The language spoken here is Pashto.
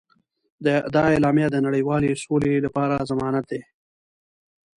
دا اعلامیه د نړیوالې سولې لپاره ضمانت دی.